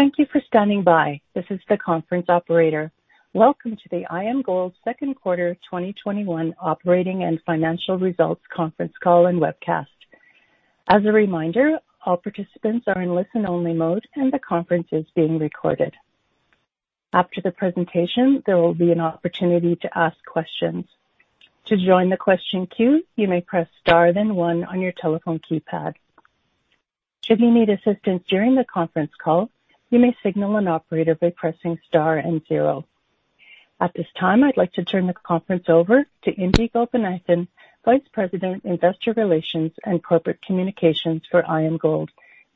Thank you for standing by. This is the conference operator. Welcome to the IAMGOLD second quarter 2021 operating and financial results conference call and webcast. As a reminder, all participants are in listen-only mode, and the conference is being recorded. After the presentation, there will be an opportunity to ask questions. To join the question queue, you may press star then one on your telephone keypad. Should you need assistance during the conference call, you may signal an operator by pressing star and zero. At this time, I'd like to turn the conference over to Indi Gopinathan, Vice President, Investor Relations and Corporate Communications for IAMGOLD.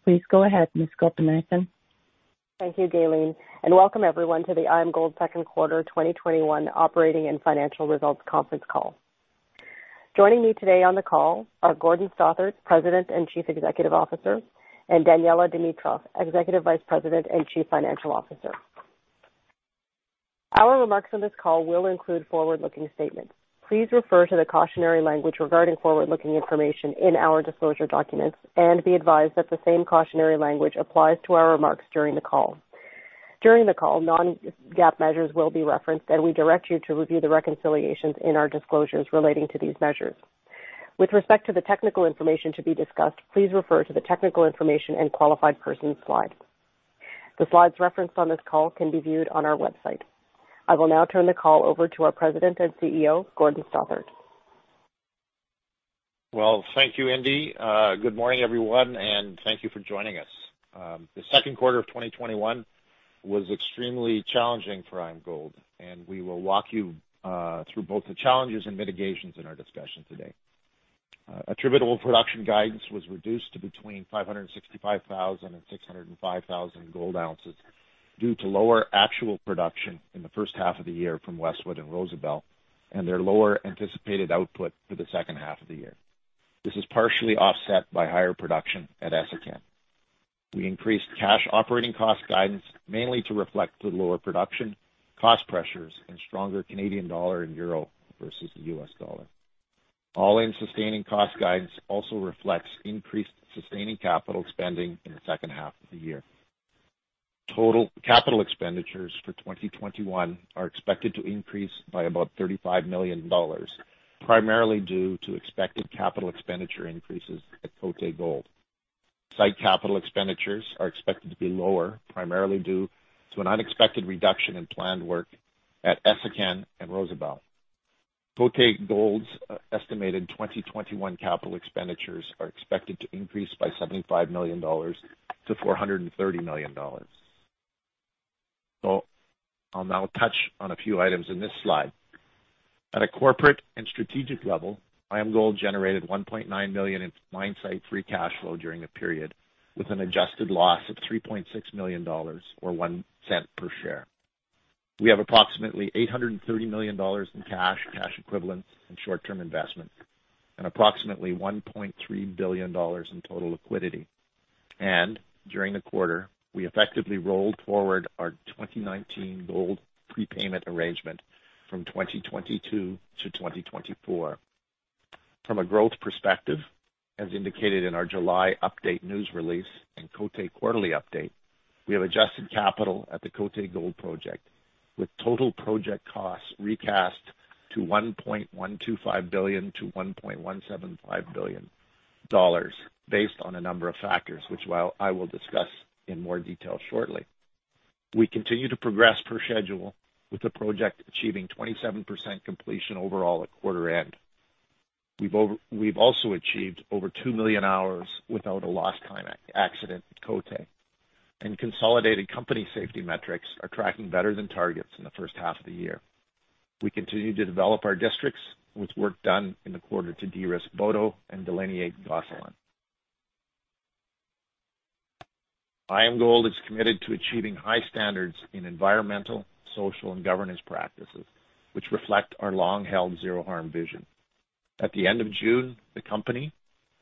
Please go ahead, Ms. Gopinathan. Thank you, Gaylene, and welcome everyone to the IAMGOLD second quarter 2021 operating and financial results conference call. Joining me today on the call are Gordon Stothart, President and Chief Executive Officer, and Daniella Dimitrov, Executive Vice President and Chief Financial Officer. Our remarks on this call will include forward-looking statements. Please refer to the cautionary language regarding forward-looking information in our disclosure documents and be advised that the same cautionary language applies to our remarks during the call. During the call, non-GAAP measures will be referenced, and we direct you to review the reconciliations in our disclosures relating to these measures. With respect to the technical information to be discussed, please refer to the technical information and qualified persons slide. The slides referenced on this call can be viewed on our website. I will now turn the call over to our President and CEO, Gordon Stothart. Well, thank you, Indi. Good morning, everyone, and thank you for joining us. The second quarter of 2021 was extremely challenging for IAMGOLD. We will walk you through both the challenges and mitigations in our discussion today. Attributable production guidance was reduced to between 565,000 and 605,000 gold ounces due to lower actual production in the first half of the year from Westwood and Rosebel and their lower anticipated output for the second half of the year. This is partially offset by higher production at Essakane. We increased cash operating cost guidance mainly to reflect the lower production, cost pressures, and stronger Canadian dollar and euro versus the U.S. dollar. All-in sustaining cost guidance also reflects increased sustaining capital spending in the second half of the year. Total capital expenditures for 2021 are expected to increase by about $35 million, primarily due to expected capital expenditure increases at Côté Gold. Site capital expenditures are expected to be lower, primarily due to an unexpected reduction in planned work at Essakane and Rosebel. Côté Gold's estimated 2021 capital expenditures are expected to increase by $75 million-$430 million. I'll now touch on a few items in this slide. At a corporate and strategic level, IAMGOLD generated $1.9 million in mine site free cash flow during the period with an adjusted loss of $3.6 million or $0.01 per share. We have approximately $830 million in cash equivalents, and short-term investments and approximately $1.3 billion in total liquidity. During the quarter, we effectively rolled forward our 2019 gold prepayment arrangement from 2022 to 2024. From a growth perspective, as indicated in our July update news release and Côté quarterly update, we have adjusted capital at the Côté Gold Project, with total project costs recast to $1.125 billion-$1.175 billion based on a number of factors, which I will discuss in more detail shortly. We continue to progress per schedule, with the project achieving 27% completion overall at quarter end. We've also achieved over 2 million hours without a lost time accident at Côté, and consolidated company safety metrics are tracking better than targets in the first half of the year. We continue to develop our districts, with work done in the quarter to de-risk Boto and delineate Gosselin. IAMGOLD is committed to achieving high standards in environmental, social, and governance practices, which reflect our long-held zero-harm vision. At the end of June, the company,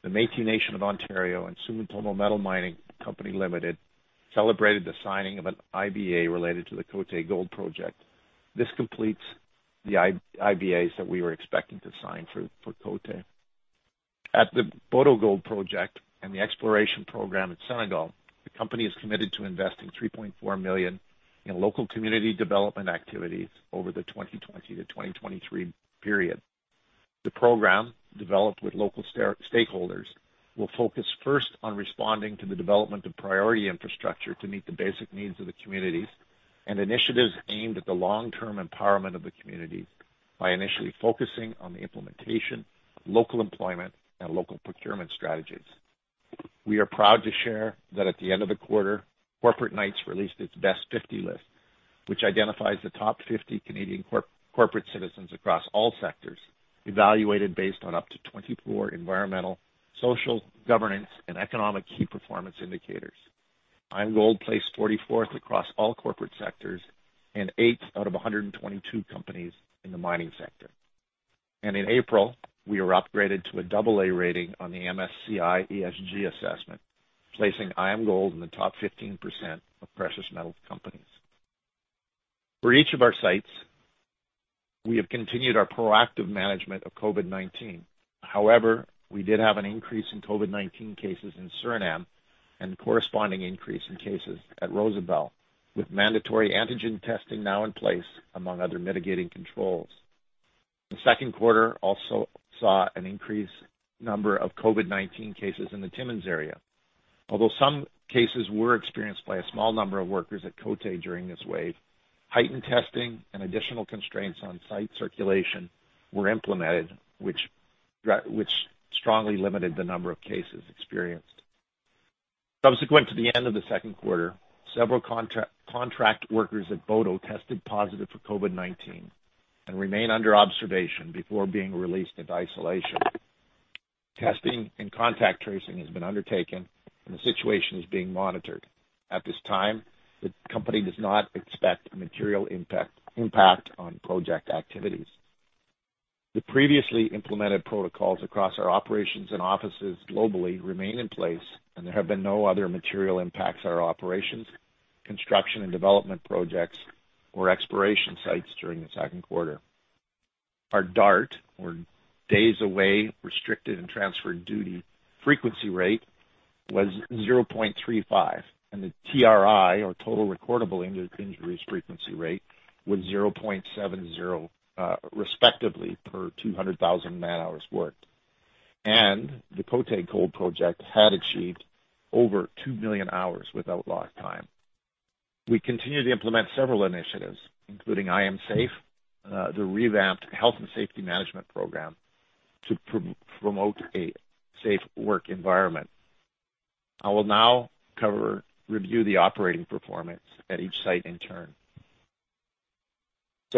the Métis Nation of Ontario, and Sumitomo Metal Mining Company Limited celebrated the signing of an IBA related to the Côté Gold Project. This completes the IBAs that we were expecting to sign for Côté. At the Boto Gold Project and the exploration program in Senegal, the company is committed to investing $3.4 million in local community development activities over the 2020-2023 period. The program, developed with local stakeholders, will focus first on responding to the development of priority infrastructure to meet the basic needs of the communities and initiatives aimed at the long-term empowerment of the community by initially focusing on the implementation of local employment and local procurement strategies. We are proud to share that at the end of the quarter, Corporate Knights released its "Best 50" list, which identifies the top 50 Canadian corporate citizens across all sectors, evaluated based on up to 24 environmental, social, governance, and economic key performance indicators. IAMGOLD placed 44th across all corporate sectors and eighth out of 122 companies in the mining sector. In April, we were upgraded to an AA rating on the MSCI ESG assessment, placing IAMGOLD in the top 15% of precious metals companies. For each of our sites, we have continued our proactive management of COVID-19. However, we did have an increase in COVID-19 cases in Suriname and corresponding increase in cases at Rosebel, with mandatory antigen testing now in place, among other mitigating controls. The second quarter also saw an increased number of COVID-19 cases in the Timmins area. Although some cases were experienced by a small number of workers at Côté during this wave, heightened testing and additional constraints on site circulation were implemented, which strongly limited the number of cases experienced. Subsequent to the end of the second quarter, several contract workers at Boto tested positive for COVID-19 and remain under observation before being released into isolation. Testing and contact tracing has been undertaken and the situation is being monitored. At this time, the company does not expect a material impact on project activities. The previously implemented protocols across our operations and offices globally remain in place, and there have been no other material impacts to our operations, construction and development projects, or exploration sites during the second quarter. Our DART, or Days Away Restricted and Transferred Duty Frequency Rate, was 0.35, and the TRI, or Total Recordable Injuries Frequency Rate, was 0.70, respectively per 200,000 man-hours worked. The Côté Gold Project had achieved over 2 million hours without lost time. We continue to implement several initiatives, including "IAMSafe", the revamped health and safety management program to promote a safe work environment. I will now review the operating performance at each site in turn.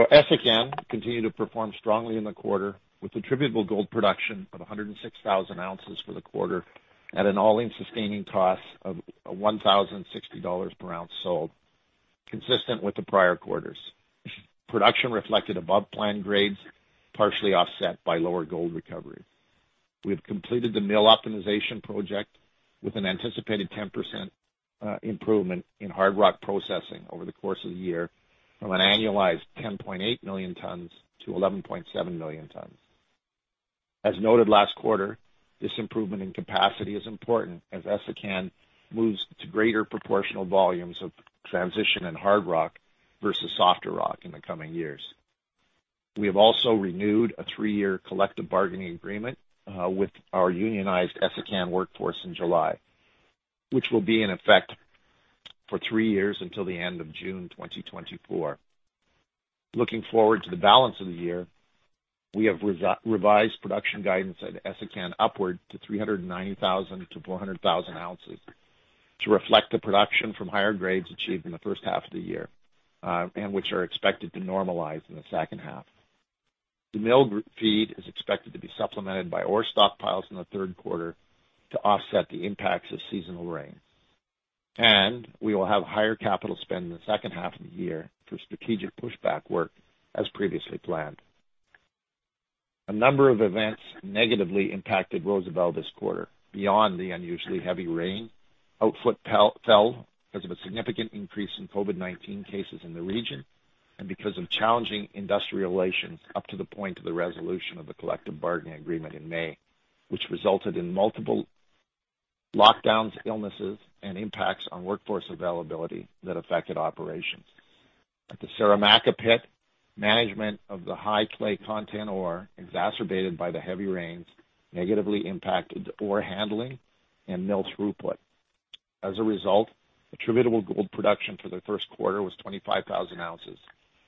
Essakane continued to perform strongly in the quarter with attributable gold production of 106,000 ounces for the quarter at an all-in sustaining cost of $1,060 per ounce sold, consistent with the prior quarters. Production reflected above-plan grades, partially offset by lower gold recovery. We have completed the mill optimization project with an anticipated 10% improvement in hard rock processing over the course of the year, from an annualized 10.8 million tons-11.7 million tons. As noted last quarter, this improvement in capacity is important as Essakane moves to greater proportional volumes of transition in hard rock versus softer rock in the coming years. We have also renewed a three-year collective bargaining agreement with our unionized Essakane workforce in July, which will be in effect for three years until the end of June 2024. Looking forward to the balance of the year, we have revised production guidance at Essakane upward to 390,000 oz-400,000 oz to reflect the production from higher grades achieved in the first half of the year, and which are expected to normalize in the second half. The mill feed is expected to be supplemented by ore stockpiles in the third quarter to offset the impacts of seasonal rain. We will have higher capital spend in the second half of the year for strategic pushback work, as previously planned. A number of events negatively impacted Rosebel this quarter. Beyond the unusually heavy rain, output fell because of a significant increase in COVID-19 cases in the region, and because of challenging industrial relations up to the point of the resolution of the collective bargaining agreement in May, which resulted in multiple lockdowns, illnesses, and impacts on workforce availability that affected operations. At the Saramacca Pit, management of the high clay content ore, exacerbated by the heavy rains, negatively impacted ore handling and mill throughput. As a result, attributable gold production for the first quarter was 25,000 oz,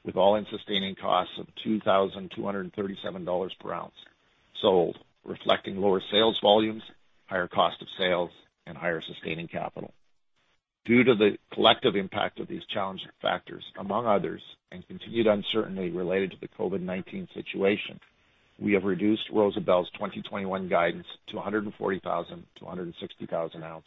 with all-in sustaining costs of $2,237 per ounce sold, reflecting lower sales volumes, higher cost of sales, and higher sustaining capital. Due to the collective impact of these challenging factors, among others, and continued uncertainty related to the COVID-19 situation, we have reduced Rosebel's 2021 guidance to 140,000 oz-160,000 oz.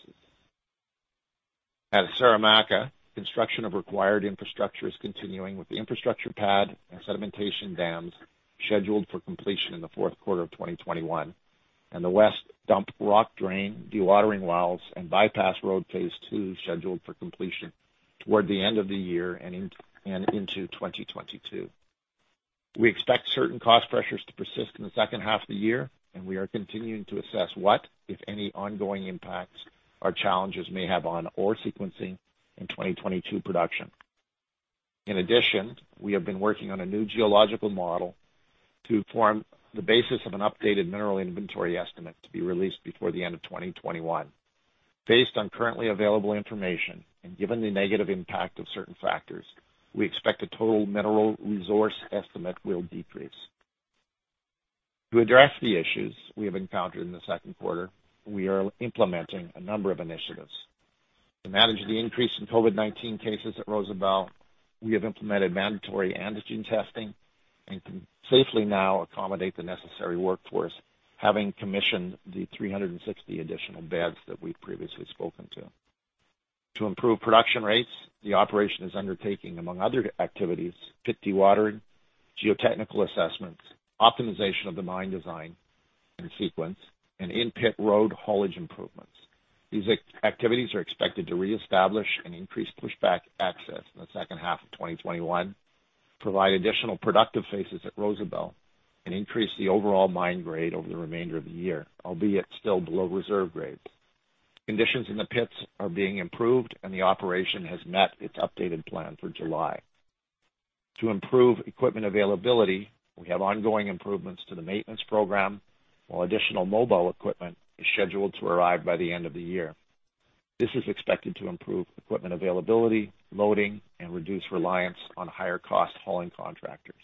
At Saramacca, construction of required infrastructure is continuing with the infrastructure pad and sedimentation dams scheduled for completion in the fourth quarter of 2021, and the west dump rock drain dewatering wells and bypass road phase two scheduled for completion toward the end of the year and into 2022. We expect certain cost pressures to persist in the second half of the year, and we are continuing to assess what, if any, ongoing impacts or challenges may have on ore sequencing in 2022 production. In addition, we have been working on a new geological model to form the basis of an updated mineral inventory estimate to be released before the end of 2021. Based on currently available information and given the negative impact of certain factors, we expect the total mineral resource estimate will decrease. To address the issues we have encountered in the second quarter, we are implementing a number of initiatives. To manage the increase in COVID-19 cases at Rosebel, we have implemented mandatory antigen testing and can safely now accommodate the necessary workforce, having commissioned the 360 additional beds that we've previously spoken to. To improve production rates, the operation is undertaking, among other activities, pit dewatering, geotechnical assessments, optimization of the mine design and sequence, and in-pit road haulage improvements. These activities are expected to reestablish and increase pushback access in the second half of 2021, provide additional productive faces at Rosebel, and increase the overall mine grade over the remainder of the year, albeit still below reserve grades. Conditions in the pits are being improved. The operation has met its updated plan for July. To improve equipment availability, we have ongoing improvements to the maintenance program, while additional mobile equipment is scheduled to arrive by the end of the year. This is expected to improve equipment availability, loading, and reduce reliance on higher-cost hauling contractors.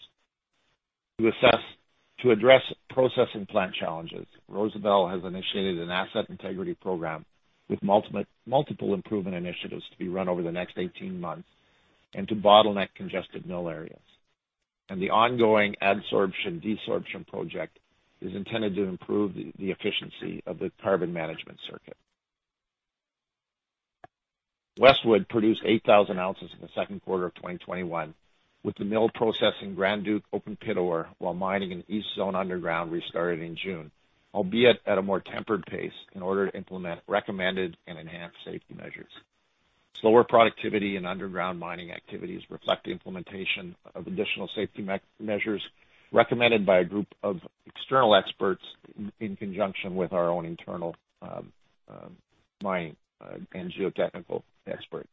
To address processing plant challenges, Rosebel has initiated an asset integrity program with multiple improvement initiatives to be run over the next 18 months into debottleneck congested mill areas. The ongoing adsorption/desorption project is intended to improve the efficiency of the carbon management circuit. Westwood produced 8,000 oz in the second quarter of 2021, with the mill processing Grand Duc open pit ore while mining in the East Zone underground restarted in June, albeit at a more tempered pace in order to implement recommended and enhanced safety measures. Slower productivity and underground mining activities reflect the implementation of additional safety measures recommended by a group of external experts in conjunction with our own internal mining and geotechnical experts.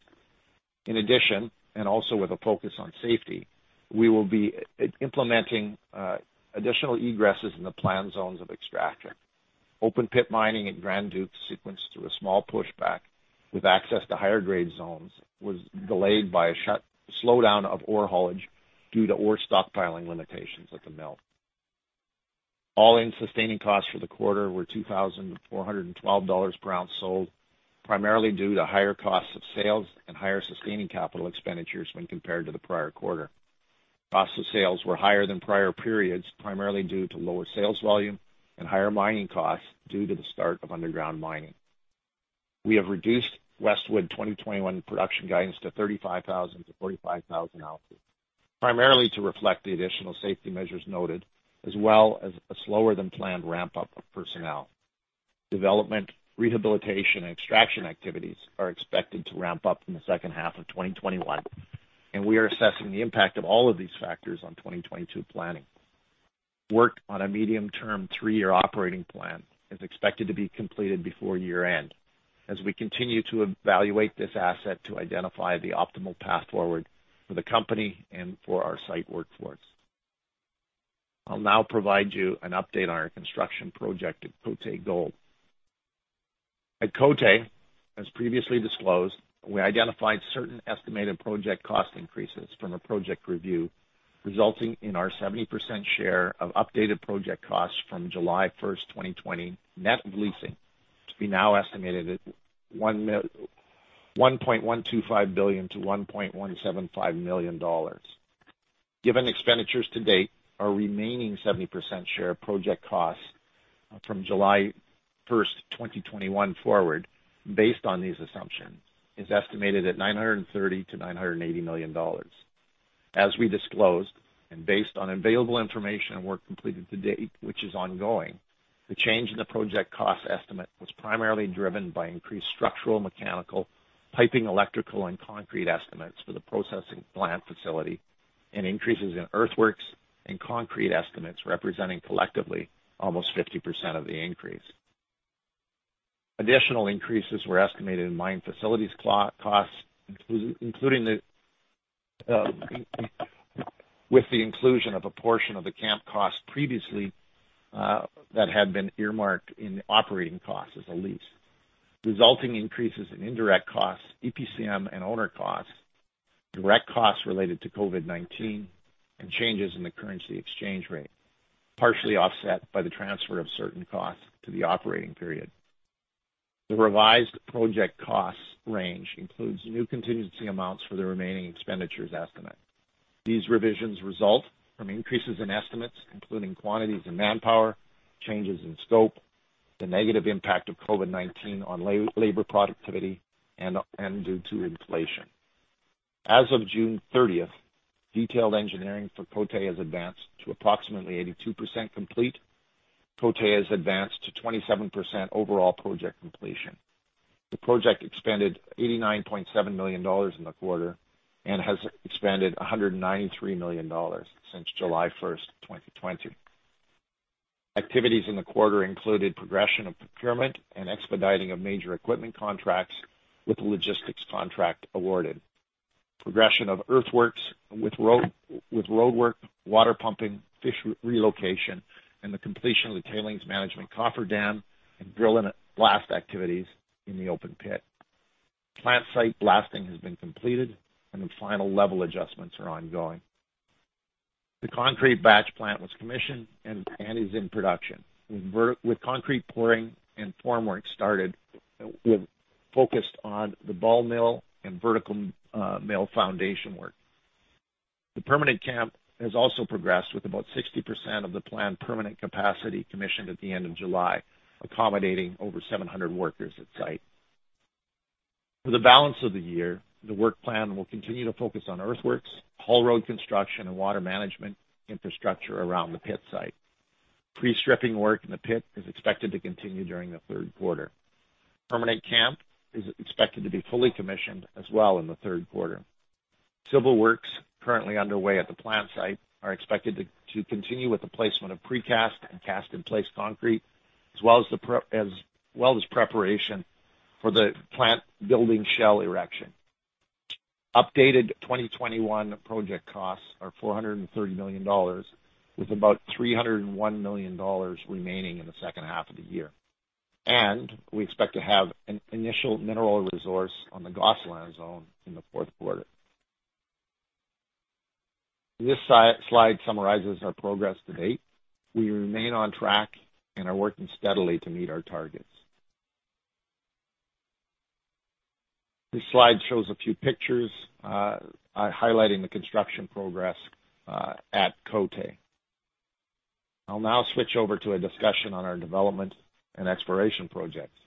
In addition, and also with a focus on safety, we will be implementing additional egresses in the planned zones of extraction. Open pit mining at Grand Duc as sequenced through a small pushback with access to higher-grade zones was delayed by a slowdown of ore haulage due to ore stockpiling limitations at the mill. all-in sustaining costs for the quarter were $2,412 per ounce sold, primarily due to higher costs of sales and higher sustaining capital expenditures when compared to the prior quarter. Cost of sales were higher than prior periods, primarily due to lower sales volume and higher mining costs due to the start of underground mining. We have reduced Westwood 2021 production guidance to 35,000 oz-45,000 oz, primarily to reflect the additional safety measures noted, as well as a slower-than-planned ramp-up of personnel. Development, rehabilitation, and extraction activities are expected to ramp up in the second half of 2021, and we are assessing the impact of all of these factors on 2022 planning. Work on a medium-term three-year operating plan is expected to be completed before year-end as we continue to evaluate this asset to identify the optimal path forward for the company and for our site workforce. I'll now provide you an update on our construction project at Côté Gold. At Côté, as previously disclosed, we identified certain estimated project cost increases from a project review, resulting in our 70% share of updated project costs from July 1st, 2020, net of leasing, to be now estimated at $1.125 billion-$1.175 billion. Given expenditures to-date, our remaining 70% share of project costs from July 1st, 2021 forward, based on these assumptions, is estimated at $930 million-$980 million. As we disclosed, and based on available information and work completed to date, which is ongoing, the change in the project cost estimate was primarily driven by increased structural, mechanical, piping, electrical, and concrete estimates for the processing plant facility and increases in earthworks and concrete estimates representing collectively almost 50% of the increase. Additional increases were estimated in mine facilities costs, with the inclusion of a portion of the camp cost previously that had been earmarked in operating costs as a lease, resulting increases in indirect costs, EPCM and owner costs, direct costs related to COVID-19, and changes in the currency exchange rate, partially offset by the transfer of certain costs to the operating period. The revised project costs range includes new contingency amounts for the remaining expenditures estimate. These revisions result from increases in estimates, including quantities and manpower, changes in scope, the negative impact of COVID-19 on labor productivity, and due to inflation. As of June 30th, detailed engineering for Côté has advanced to approximately 82% complete. Côté has advanced to 27% overall project completion. The project expended $89.7 million in the quarter and has expended $193 million since July 1st, 2020. Activities in the quarter included progression of procurement and expediting of major equipment contracts with the logistics contract awarded. Progression of earthworks with roadwork, water pumping, fish relocation, and the completion of the tailings management cofferdam and drill and blast activities in the open pit. Plant site blasting has been completed, and the final level adjustments are ongoing. The concrete batch plant was commissioned and is in production, with concrete pouring and formwork started, focused on the ball mill and vertical mill foundation work. The permanent camp has also progressed, with about 60% of the planned permanent capacity commissioned at the end of July, accommodating over 700 workers at site. For the balance of the year, the work plan will continue to focus on earthworks, haul road construction, and water management infrastructure around the pit site. Pre-stripping work in the pit is expected to continue during the third quarter. Permanent camp is expected to be fully commissioned as well in the third quarter. Civil works currently underway at the plant site are expected to continue with the placement of precast and cast-in-place concrete, as well as preparation for the plant building shell erection. Updated 2021 project costs are $430 million, with about $301 million remaining in the second half of the year. We expect to have an initial mineral resource on the Gosselin zone in the fourth quarter. This slide summarizes our progress to-date. We remain on track and are working steadily to meet our targets. This slide shows a few pictures highlighting the construction progress at Côté. I'll now switch over to a discussion on our development and exploration projects.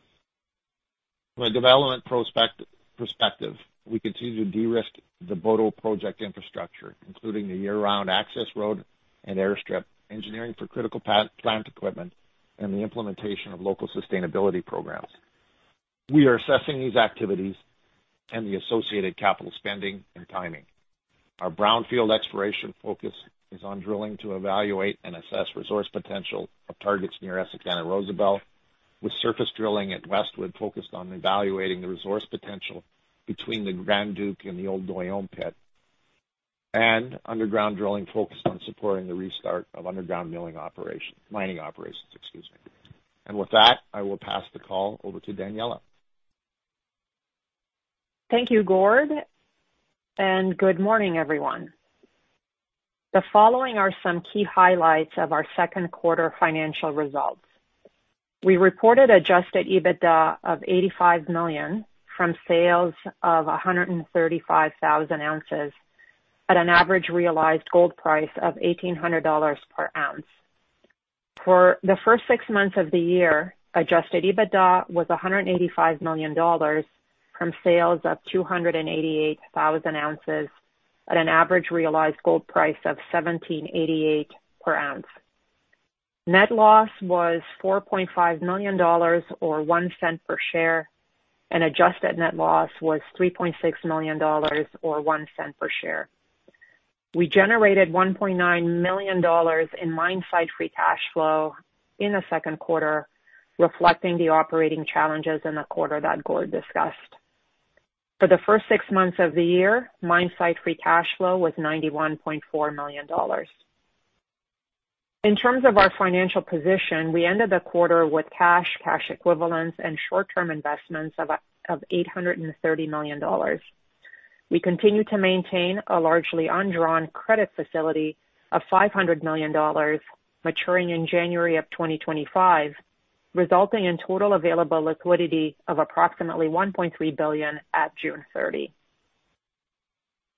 From a development perspective, we continue to de-risk the Boto project infrastructure, including the year-round access road and airstrip, engineering for critical plant equipment, and the implementation of local sustainability programs. We are assessing these activities and the associated capital spending and timing. Our brownfield exploration focus is on drilling to evaluate and assess resource potential of targets near Essakane and Rosebel, with surface drilling at Westwood focused on evaluating the resource potential between the Grand Duc and the old Doyon pit, and underground drilling focused on supporting the restart of underground mining operations. With that, I will pass the call over to Daniella. Thank you, Gord, and good morning, everyone. The following are some key highlights of our second quarter financial results. We reported adjusted EBITDA of $85 million from sales of 135,000 ounces at an average realized gold price of $1,800 per ounce. For the first six months of the year, adjusted EBITDA was $185 million from sales of 288,000 ounces at an average realized gold price of $1,788 per ounce. Net loss was $4.5 million, or $0.01 per share, and adjusted net loss was $3.6 million, or $0.01 per share. We generated $1.9 million in mine site free cash flow in the second quarter, reflecting the operating challenges in the quarter that Gord discussed. For the first six months of the year, mine site free cash flow was $91.4 million. In terms of our financial position, we ended the quarter with cash equivalents, and short-term investments of $830 million. We continue to maintain a largely undrawn credit facility of $500 million maturing in January of 2025, resulting in total available liquidity of approximately $1.3 billion at June 30.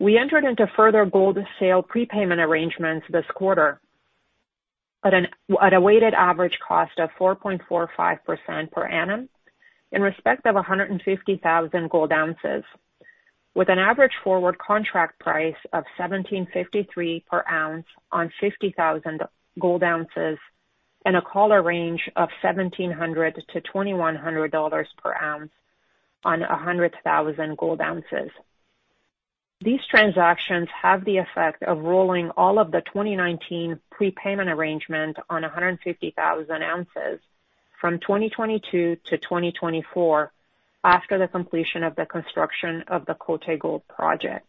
We entered into further gold sale prepayment arrangements this quarter at a weighted average cost of 4.45% per annum in respect of 150,000 gold ounces, with an average forward contract price of $1,753 per ounce on 50,000 gold ounces and a collar range of $1,700-$2,100 per ounce on 100,000 gold ounces. These transactions have the effect of rolling all of the 2019 prepayment arrangement on 150,000 ounces from 2022-2024 after the completion of the construction of the Côté Gold project.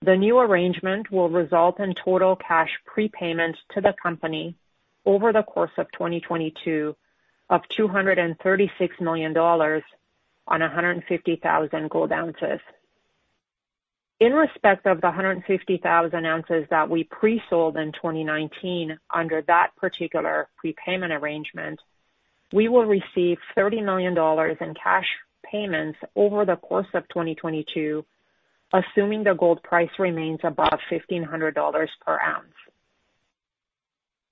The new arrangement will result in total cash prepayments to the company over the course of 2022 of $236 million on 150,000 gold ounces. In respect of the 150,000 oz that we pre-sold in 2019 under that particular prepayment arrangement, we will receive $30 million in cash payments over the course of 2022, assuming the gold price remains above $1,500 per ounce.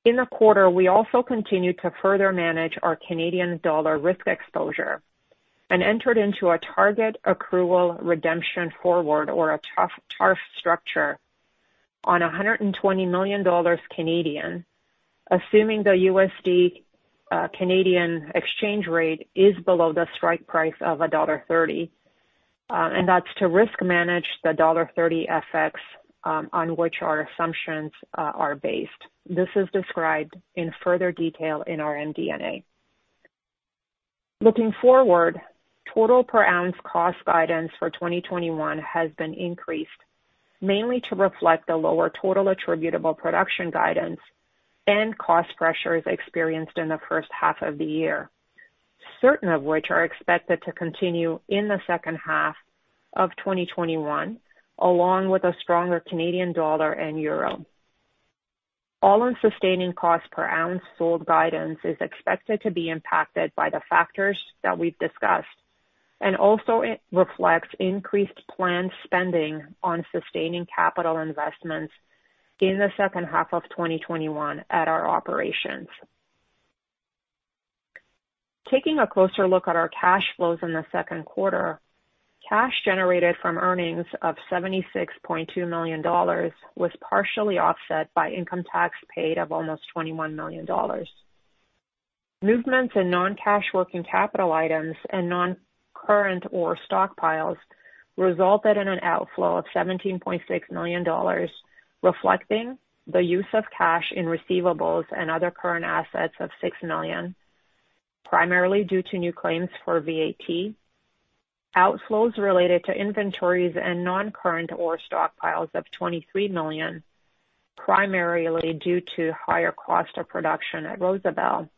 In the quarter, we also continued to further manage our Canadian dollar risk exposure and entered into a Target Accrual Redemption Forward, or a TARF structure, on 120 million Canadian dollars, assuming the USD/Canadian exchange rate is below the strike price of $1.30, and that's to risk manage the $1.30 FX on which our assumptions are based. This is described in further detail in our MD&A. Looking forward, total per ounce cost guidance for 2021 has been increased, mainly to reflect the lower total attributable production guidance and cost pressures experienced in the first half of the year, certain of which are expected to continue in the second half of 2021, along with a stronger Canadian dollar and euro. all-in sustaining cost per ounce sold guidance is expected to be impacted by the factors that we've discussed and also it reflects increased planned spending on sustaining capital investments in the second half of 2021 at our operations. Taking a closer look at our cash flows in the second quarter, cash generated from earnings of $76.2 million was partially offset by income tax paid of almost $21 million. Movements in non-cash working capital items and non-current ore stockpiles resulted in an outflow of $17.6 million, reflecting the use of cash in receivables and other current assets of $6 million, primarily due to new claims for VAT, outflows related to inventories and non-current ore stockpiles of $23 million, primarily due to higher cost of production at Rosebel,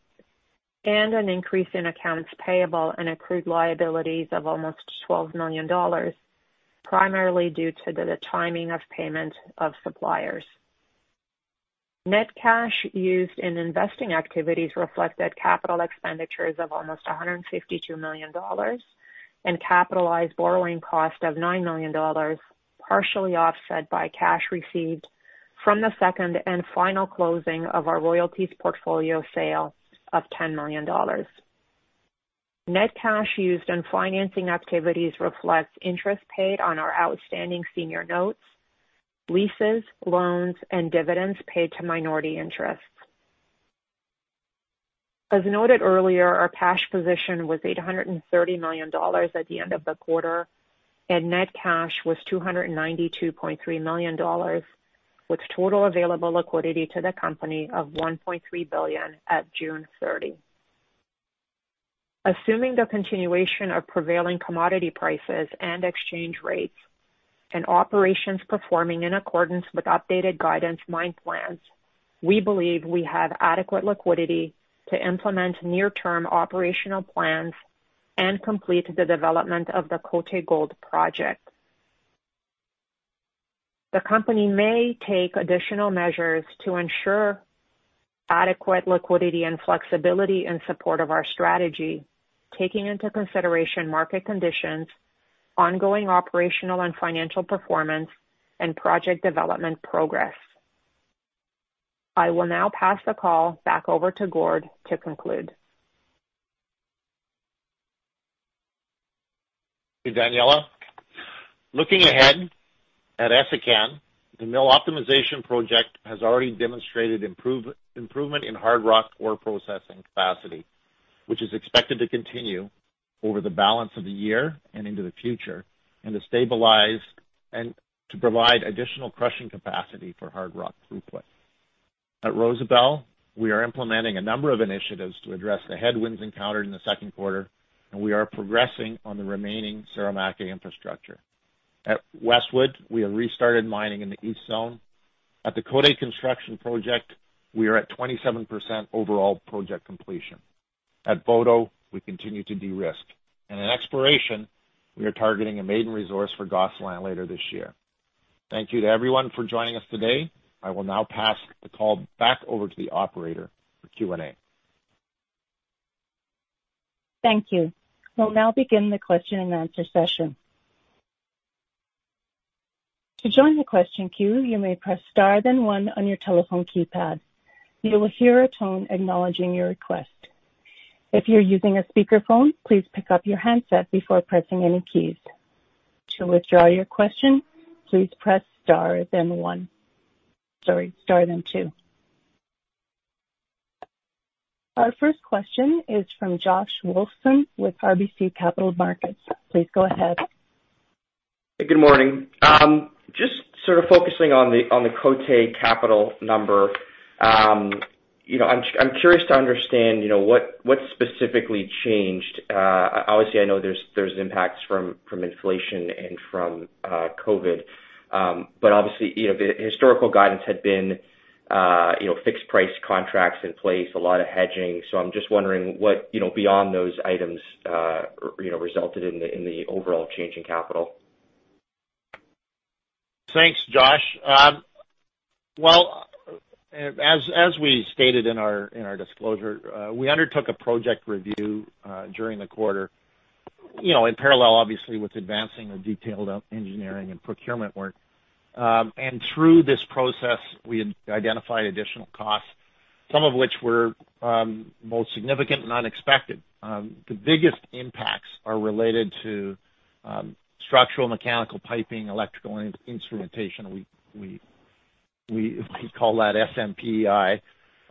and an increase in accounts payable and accrued liabilities of almost $12 million, primarily due to the timing of payment of suppliers. Net cash used in investing activities reflected capital expenditures of almost $152 million and capitalized borrowing cost of $9 million, partially offset by cash received from the second and final closing of our royalties portfolio sale of $10 million. Net cash used in financing activities reflects interest paid on our outstanding senior notes, leases, loans, and dividends paid to minority interests. As noted earlier, our cash position was $830 million at the end of the quarter, and net cash was $292.3 million, with total available liquidity to the company of $1.3 billion at June 30. Assuming the continuation of prevailing commodity prices and exchange rates and operations performing in accordance with updated guidance mine plans, we believe we have adequate liquidity to implement near-term operational plans and complete the development of the Côté Gold project. The company may take additional measures to ensure adequate liquidity and flexibility in support of our strategy, taking into consideration market conditions, ongoing operational and financial performance, and project development progress. I will now pass the call back over to Gord to conclude. Thank you, Daniella. Looking ahead at Essakane, the mill optimization project has already demonstrated improvement in hard rock ore processing capacity, which is expected to continue over the balance of the year and into the future, and to provide additional crushing capacity for hard rock throughput. At Rosebel, we are implementing a number of initiatives to address the headwinds encountered in the second quarter, and we are progressing on the remaining Saramacca infrastructure. At Westwood, we have restarted mining in the East Zone. At the Côté Gold construction project, we are at 27% overall project completion. At Boto, we continue to de-risk. In exploration, we are targeting a maiden resource for Gosselin later this year. Thank you to everyone for joining us today. I will now pass the call back over to the operator for Q&A. Thank you. We will now begin the question-and-answer session. To join the question queue, you may press star then one on your telephone keypad. You will hear a tone acknowledging your request. If you are using a speaker phone, please pickup your handset before pressing any keys. To withdraw your question, please press star then one [inaudible] then two. Our first question is from Josh Wolfson with RBC Capital Markets. Please go ahead. Good morning. Just sort of focusing on the Côté capital number. I'm curious to understand what specifically changed. Obviously, I know there's impacts from inflation and from COVID. Obviously, the historical guidance had been fixed-price contracts in place, a lot of hedging. I'm just wondering what, beyond those items, resulted in the overall change in capital. Thanks, Josh. Well, as we stated in our disclosure, we undertook a project review during the quarter, in parallel obviously with advancing the detailed engineering and procurement work. Through this process, we identified additional costs, some of which were both significant and unexpected. The biggest impacts are related to structural, mechanical, piping, electrical, and instrumentation, we call that SMPEI,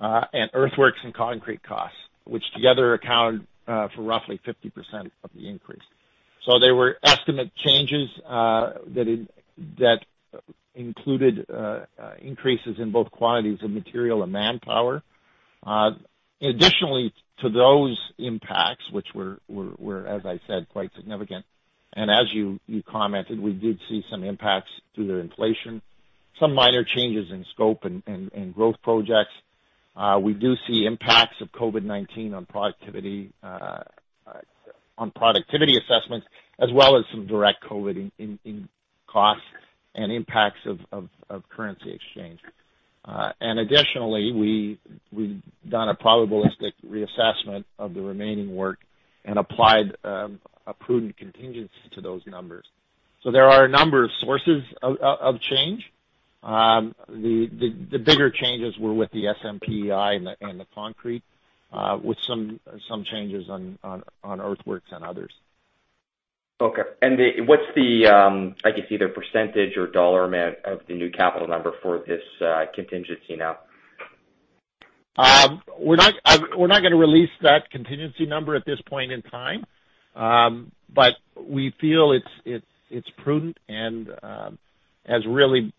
and earthworks and concrete costs, which together accounted for roughly 50% of the increase. There were estimate changes that included increases in both quantities of material and manpower. Additionally, to those impacts, which were, as I said, quite significant, and as you commented, we did see some impacts due to inflation, some minor changes in scope and growth projects. We do see impacts of COVID-19 on productivity assessments, as well as some direct COVID in costs and impacts of currency exchange. Additionally, we've done a probabilistic reassessment of the remaining work and applied a prudent contingency to those numbers. There are a number of sources of change. The bigger changes were with the SMPEI and the concrete, with some changes on earthworks and others. Okay. What's the, I guess either percentage or dollar amount of the new capital number for this contingency now? We're not going to release that contingency number at this point in time. We feel it's prudent and has really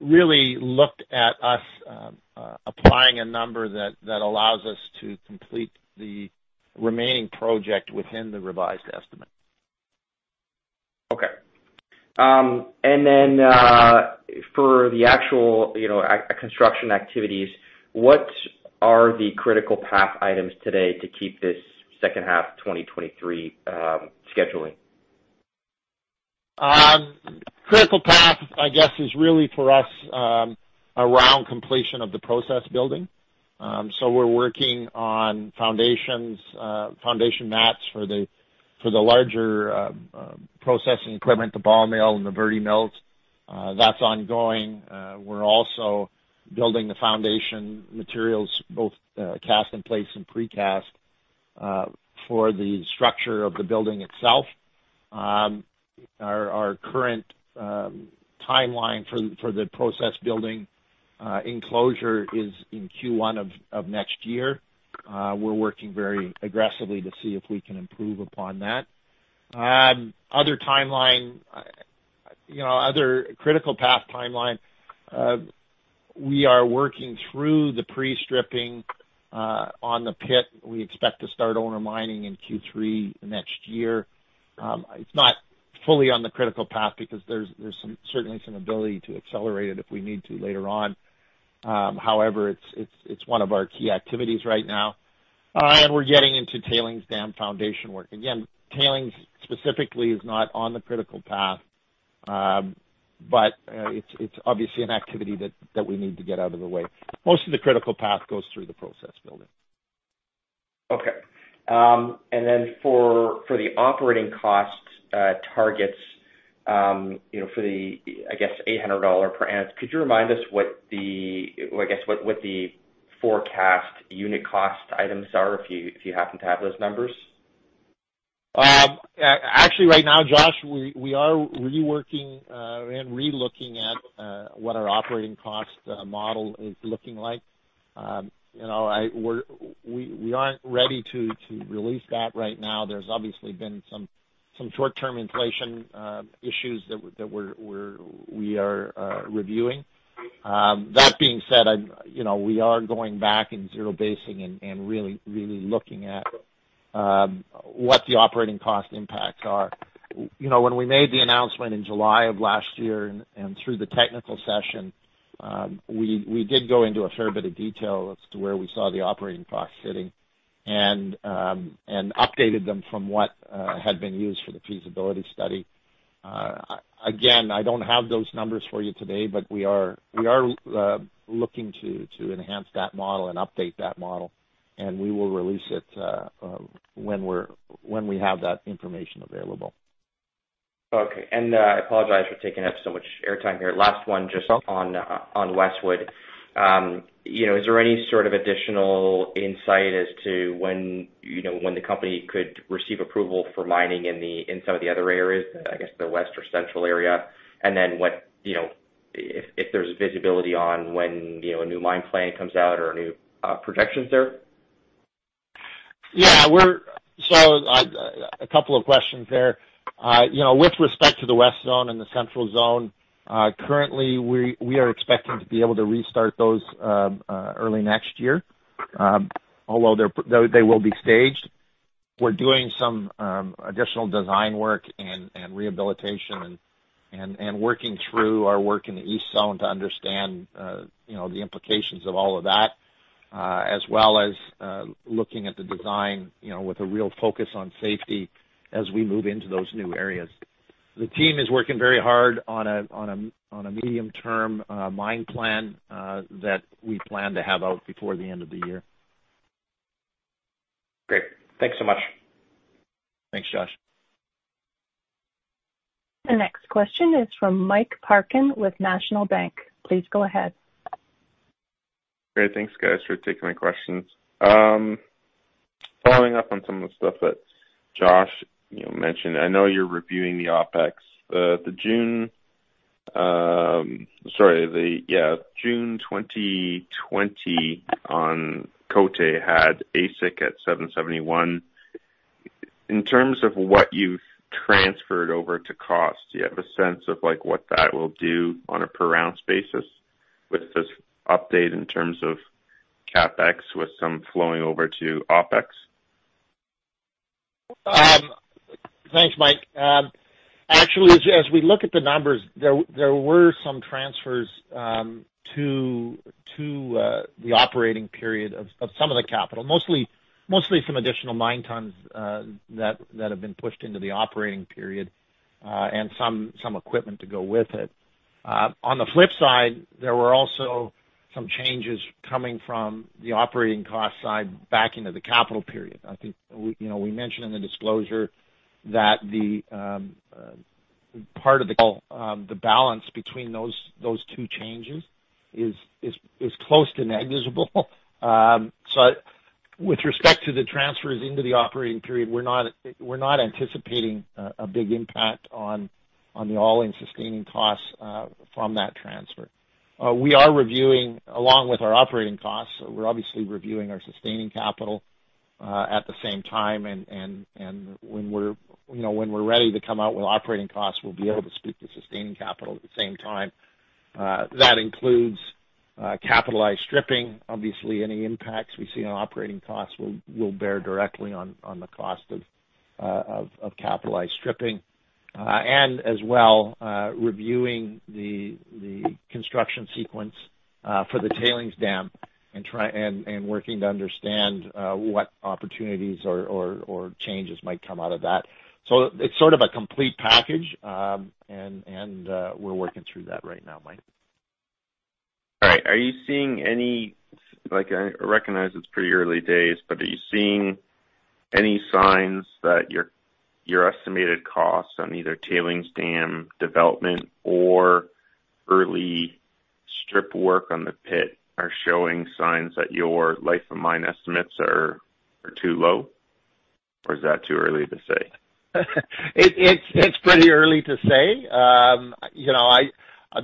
looked at us applying a number that allows us to complete the remaining project within the revised estimate. Okay. For the actual construction activities, what are the critical path items today to keep this second half of 2023 scheduling? Critical path, I guess, is really for us, around completion of the process building. We're working on foundation mats for the larger processing equipment, the ball mill, and the vertical mills. That's ongoing. We're also building the foundation materials, both cast in place and precast, for the structure of the building itself. Our current timeline for the process building enclosure is in Q1 of next year. We're working very aggressively to see if we can improve upon that. Other critical path timeline, we are working through the pre-stripping on the pit. We expect to start owner mining in Q3 next year. It's not fully on the critical path because there's certainly some ability to accelerate it if we need to later on. However, it's one of our key activities right now. We're getting into tailings dam foundation work. Again, tailings specifically is not on the critical path. It's obviously an activity that we need to get out of the way. Most of the critical path goes through the process building. Okay. Then for the operating cost targets, for the, I guess, $800 per ounce, could you remind us what the forecast unit cost items are if you happen to have those numbers? Actually, right now, Josh, we are reworking and re-looking at what our operating cost model is looking like. We aren't ready to release that right now. There's obviously been some short-term inflation issues that we are reviewing. That being said, we are going back and zero-basing and really looking at what the operating cost impacts are. When we made the announcement in July of last year and through the technical session, we did go into a fair bit of detail as to where we saw the operating costs sitting and updated them from what had been used for the feasibility study. Again, I don't have those numbers for you today, but we are looking to enhance that model and update that model, and we will release it when we have that information available. Okay. I apologize for taking up so much air time here. Last one, just on Westwood. Is there any sort of additional insight as to when the company could receive approval for mining in some of the other areas, I guess the west or central area? Then if there's visibility on when a new mine plan comes out or new projections there? A couple of questions there. With respect to the West Zone and the Central Zone, currently we are expecting to be able to restart those early next year. Although they will be staged. We're doing some additional design work and rehabilitation, and working through our work in the East Zone to understand the implications of all of that, as well as looking at the design with a real focus on safety as we move into those new areas. The team is working very hard on a medium-term mine plan that we plan to have out before the end of the year. Great. Thanks so much. Thanks, Josh. The next question is from Mike Parkin with National Bank. Please go ahead. Great. Thanks, guys, for taking my questions. Following up on some of the stuff that Josh mentioned, I know you're reviewing the OpEx. The June 2020 on Côté had AISC at $771. In terms of what you've transferred over to cost, do you have a sense of what that will do on a per ounce basis with this update in terms of CapEx with some flowing over to OpEx? Thanks, Mike. Actually, as we look at the numbers, there were some transfers to the operating period of some of the capital. Mostly some additional mine tons that have been pushed into the operating period, and some equipment to go with it. On the flip side, there were also some changes coming from the operating cost side back into the capital period. I think we mentioned in the disclosure that the part of the balance between those two changes is close to negligible. With respect to the transfers into the operating period, we're not anticipating a big impact on the all-in sustaining cost from that transfer. We are reviewing, along with our operating costs, we're obviously reviewing our sustaining capital at the same time, and when we're ready to come out with operating costs, we'll be able to speak to sustaining capital at the same time. That includes capitalized stripping. Obviously, any impacts we see on operating costs will bear directly on the cost of capitalized stripping. As well, reviewing the construction sequence for the tailings dam and working to understand what opportunities or changes might come out of that. It's sort of a complete package, and we're working through that right now, Mike. All right. I recognize it's pretty early days, but are you seeing any signs that your estimated costs on either tailings dam development or early strip work on the pit are showing signs that your life of mine estimates are too low? Or is that too early to say? It's pretty early to say.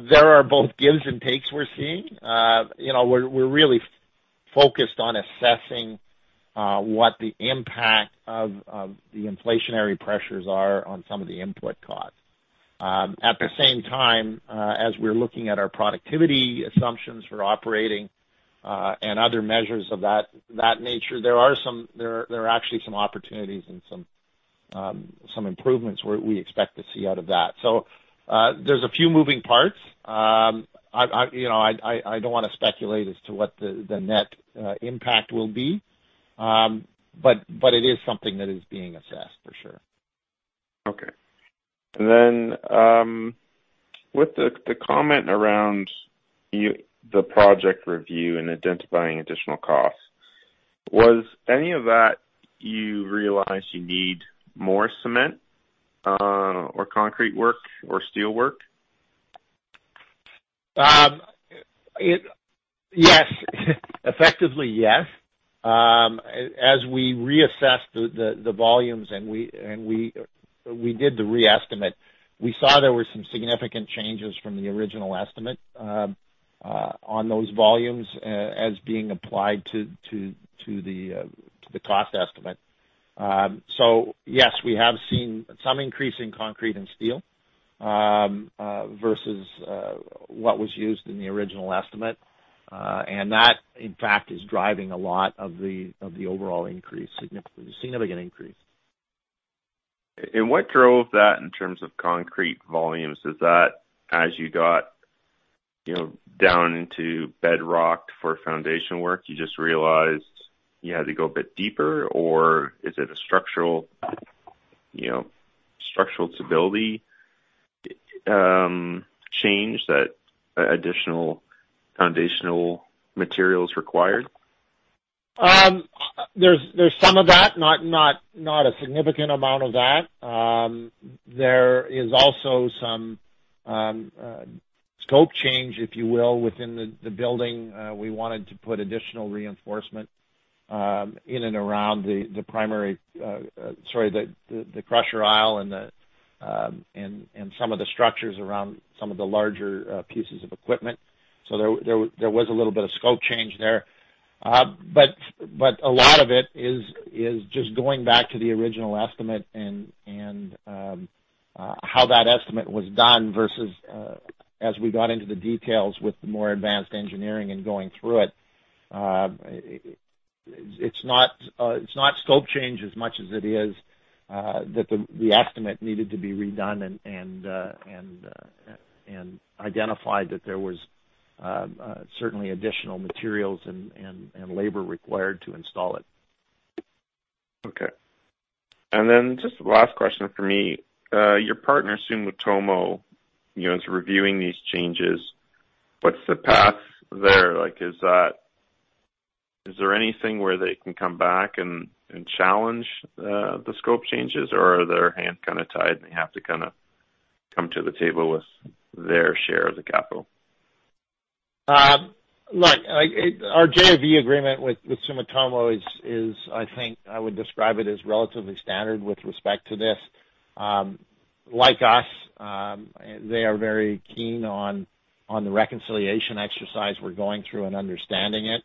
There are both gives and takes we're seeing. We're really focused on assessing what the impact of the inflationary pressures are on some of the input costs. At the same time, as we're looking at our productivity assumptions for operating and other measures of that nature, there are actually some opportunities and some improvements we expect to see out of that. There's a few moving parts. I don't want to speculate as to what the net impact will be, but it is something that is being assessed, for sure. Okay. Then with the comment around the project review and identifying additional costs, was any of that you realized you need more cement or concrete work or steel work? Yes. Effectively, yes. As we reassessed the volumes, and we did the re-estimate, we saw there were some significant changes from the original estimate on those volumes, as being applied to the cost estimate. Yes, we have seen some increase in concrete and steel versus what was used in the original estimate. That, in fact, is driving a lot of the overall increase, significant increase. What drove that in terms of concrete volumes? Is that as you got down into bedrock for foundation work, you just realized you had to go a bit deeper? Or is it a structural stability change that additional foundational materials required? There's some of that. Not a significant amount of that. There is also some scope change, if you will, within the building. We wanted to put additional reinforcement in and around the crusher aisle and some of the structures around some of the larger pieces of equipment. There was a little bit of scope change there. A lot of it is just going back to the original estimate and how that estimate was done versus as we got into the details with the more advanced engineering and going through it. It's not scope change as much as it is that the estimate needed to be redone and identified that there was certainly additional materials and labor required to install it. Okay. Just the last question from me. Your partner, Sumitomo, is reviewing these changes. What's the path there? Is there anything where they can come back and challenge the scope changes, or are their hands kind of tied, and they have to come to the table with their share of the capital? Look, our JV agreement with Sumitomo is, I think I would describe it, as relatively standard with respect to this. Like us, they are very keen on the reconciliation exercise we're going through and understanding it.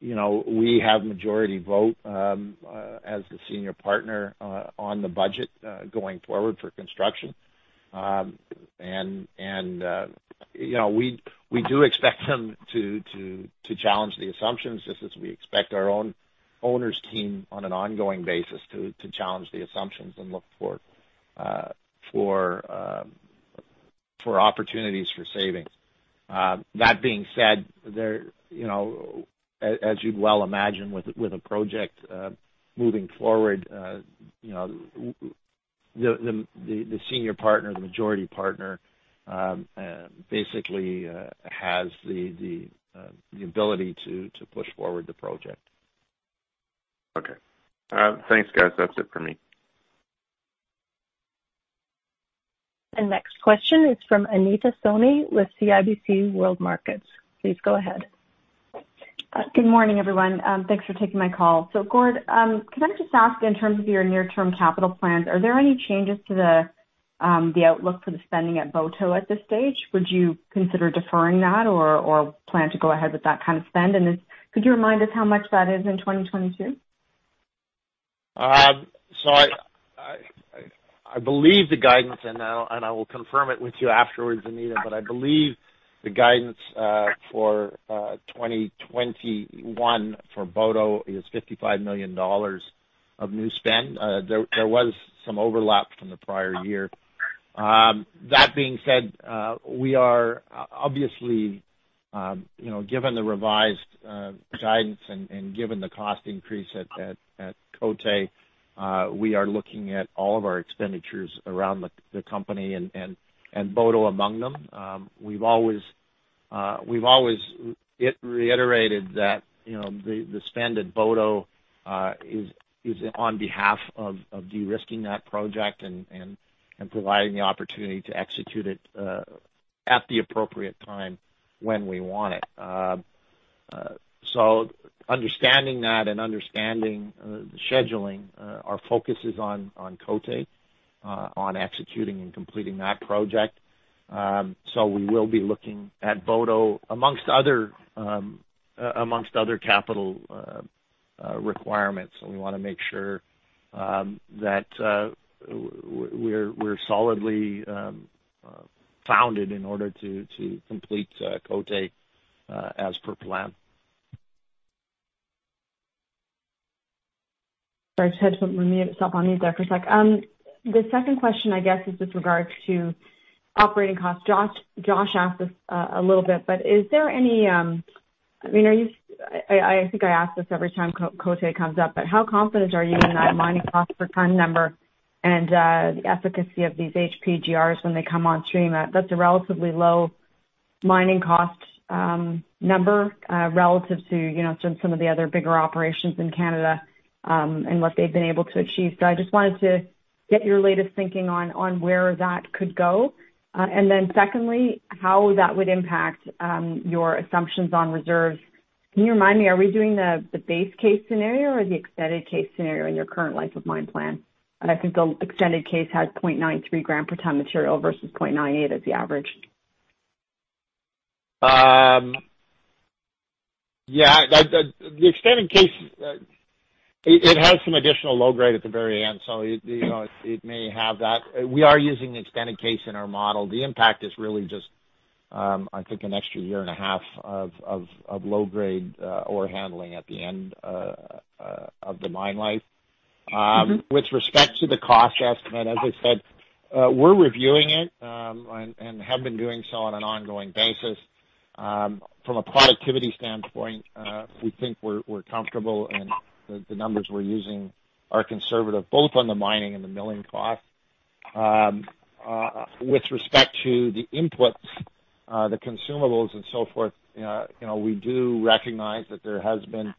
We have majority vote as the senior partner on the budget going forward for construction. We do expect them to challenge the assumptions just as we expect our own owner's team on an ongoing basis to challenge the assumptions and look for opportunities for savings. That being said, as you'd well imagine with a project moving forward, the senior partner, the majority partner basically has the ability to push forward the project. Okay. Thanks, guys. That's it for me. Next question is from Anita Soni with CIBC World Markets. Please go ahead. Good morning, everyone. Thanks for taking my call. Gord, could I just ask, in terms of your near-term capital plans, are there any changes to the outlook for the spending at Boto at this stage? Would you consider deferring that or plan to go ahead with that kind of spend? Could you remind us how much that is in 2022? I believe the guidance, and I will confirm it with you afterwards, Anita, but I believe the guidance for 2021 for Boto is $55 million of new spend. There was some overlap from the prior year. That being said, we are obviously, given the revised guidance and given the cost increase at Côté, we are looking at all of our expenditures around the company, and Boto among them. We've always reiterated that the spend at Boto is on behalf of de-risking that project and providing the opportunity to execute it at the appropriate time when we want it. Understanding that and understanding the scheduling, our focus is on Côté, on executing and completing that project. We will be looking at Boto amongst other capital requirements, and we want to make sure that we're solidly founded in order to complete Côté as per plan. Sorry, just had to put my mute itself on mute there for a sec. The second question, I guess, is with regards to operating costs. Josh asked this a little bit, but is there any I think I ask this every time Côté comes up, but how confident are you in that mining cost per ton number and the efficacy of these HPGRs when they come on stream? That's a relatively low mining cost number relative to some of the other bigger operations in Canada, and what they've been able to achieve. I just wanted to get your latest thinking on where that could go. Secondly, how that would impact your assumptions on reserves. Can you remind me, are we doing the base case scenario or the extended case scenario in your current life of mine plan? I think the extended case had 0.93 g/ton material versus 0.98 g as the average. Yeah. The extended case, it has some additional low-grade at the very end, so it may have that. We are using the extended case in our model. The impact is really just, I think, an extra year and a half of low-grade ore handling at the end of the mine life. With respect to the cost estimate, as I said, we're reviewing it, and have been doing so on an ongoing basis. From a productivity standpoint, we think we're comfortable and the numbers we're using are conservative, both on the mining and the milling cost. With respect to the inputs, the consumables, and so forth, we do recognize that there has been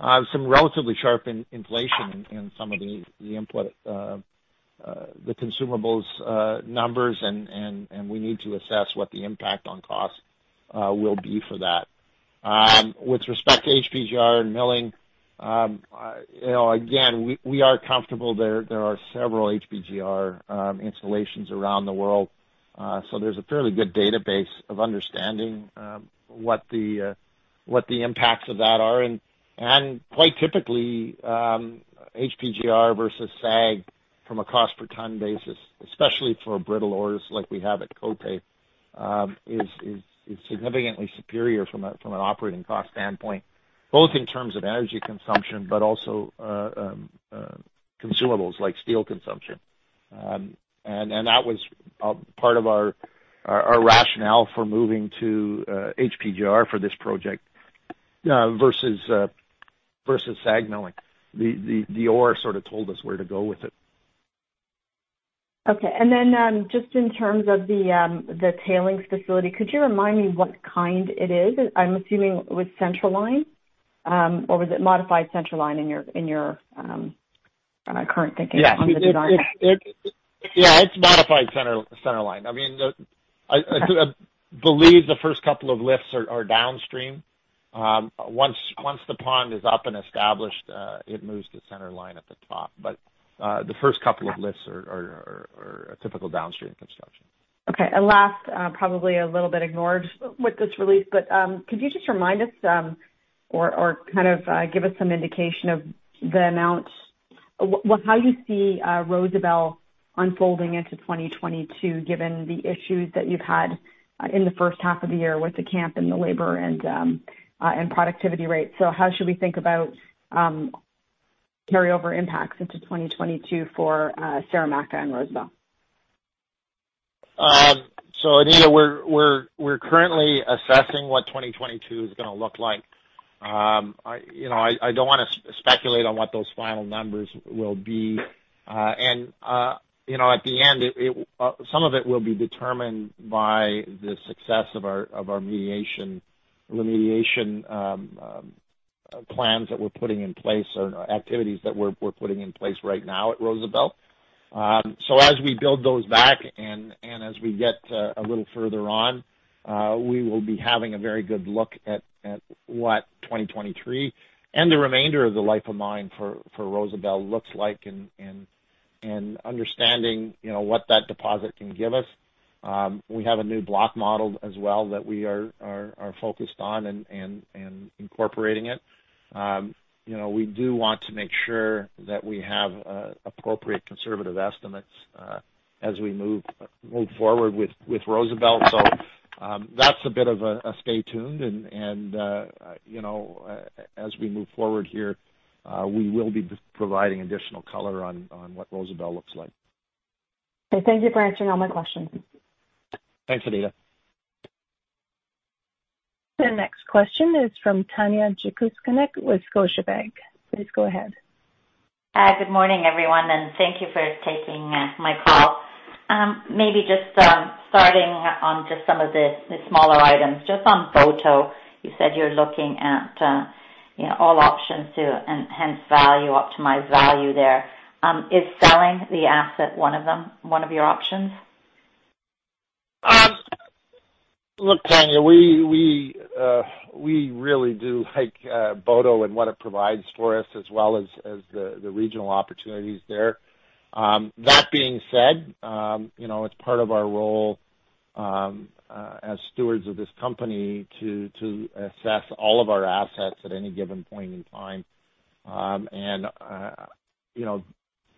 some relatively sharp inflation in some of the consumables numbers, and we need to assess what the impact on cost will be for that. With respect to HPGR and milling, again, we are comfortable there. There are several HPGR installations around the world. There's a fairly good database of understanding what the impacts of that are. Quite typically, HPGR versus SAG, from a cost per ton basis, especially for brittle ores like we have at Côté, is significantly superior from an operating cost standpoint, both in terms of energy consumption, but also consumables like steel consumption. That was part of our rationale for moving to HPGR for this project versus SAG milling. The ore sort of told us where to go with it. Okay. Then just in terms of the tailings facility, could you remind me what kind it is? I am assuming with centerline. Or was it modified centerline in your current thinking on the design? Yeah, it's modified centerline. I believe the first couple of lifts are downstream. Once the pond is up and established, it moves to centerline at the top. The first couple of lifts are a typical downstream construction. Okay. Last, probably a little bit ignored with this release, but could you just remind us or kind of give us some indication of the amount- ...How you see Rosebel unfolding into 2022 given the issues that you've had in the first half of the year with the camp and the labor and productivity rates. How should we think about carryover impacts into 2022 for Saramacca and Rosebel? Anita, we're currently assessing what 2022 is going to look like. I don't want to speculate on what those final numbers will be. At the end, some of it will be determined by the success of our remediation plans that we're putting in place or activities that we're putting in place right now at Rosebel. As we build those back and as we get a little further on, we will be having a very good look at what 2023 and the remainder of the life of mine for Rosebel looks like and understanding what that deposit can give us. We have a new block model as well that we are focused on and incorporating it. We do want to make sure that we have appropriate conservative estimates as we move forward with Rosebel. That's a bit of a stay tuned and as we move forward here, we will be providing additional color on what Rosebel looks like. Okay. Thank you for answering all my questions. Thanks, Anita. The next question is from Tanya Jakusconek with Scotiabank. Please go ahead. Hi. Good morning, everyone. Thank you for taking my call. Maybe just starting on just some of the smaller items, just on Boto, you said you're looking at all options to enhance value, optimize value there. Is selling the asset one of your options? Look, Tanya, we really do like Boto and what it provides for us as well as the regional opportunities there. That being said, it's part of our role, as stewards of this company to assess all of our assets at any given point in time. And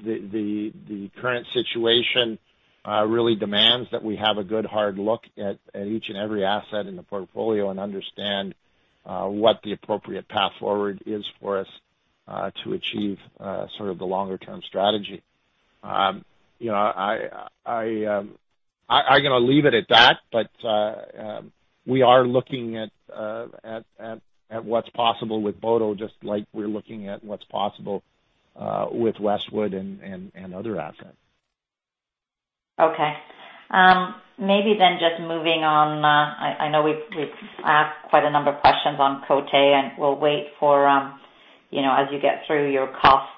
the current situation really demands that we have a good hard look at each and every asset in the portfolio and understand what the appropriate path forward is for us, to achieve sort of the longer term strategy. I'm going to leave it at that, but we are looking at what's possible with Boto, just like we're looking at what's possible with Westwood and other assets. Okay. Maybe just moving on. I know we've asked quite a number of questions on Côté and we'll wait for as you get through your costs,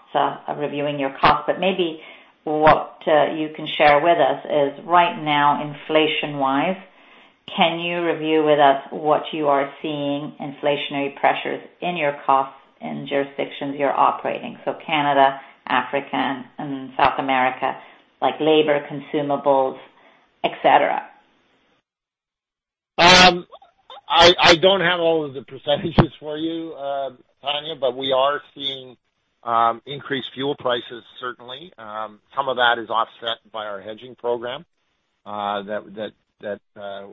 reviewing your costs, but maybe what you can share with us is right now, inflation-wise, can you review with us what you are seeing inflationary pressures in your costs in jurisdictions you're operating? Canada, Africa, and South America, like labor, consumables, et cetera. I don't have all of the percentages for you, Tanya, but we are seeing increased fuel prices certainly. Some of that is offset by our hedging program that